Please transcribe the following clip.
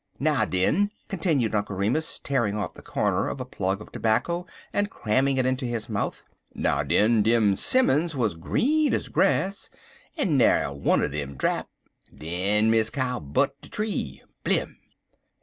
Now, den," continued Uncle Remus, tearing off the comer of a plug of tobacco and cramming it into his mouth "now, den, dem 'simmons wuz green ez grass, en na'er one never drap. Den Miss Cow butt de tree blim!